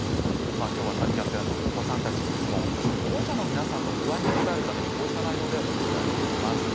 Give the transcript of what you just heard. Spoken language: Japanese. きょうはお子さんたちの疑問保護者の皆さんの不安に応えるために、こうした内容でお伝えしていきます。